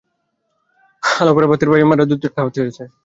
Aloe vera ভাতের মারে ধুয়ে খাওয়াতে হয়।